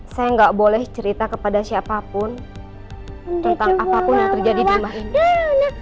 saya nggak boleh cerita kepada siapapun tentang apapun yang terjadi di rumah ini